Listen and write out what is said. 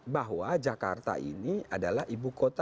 bahwa jakarta ini adalah ibu kota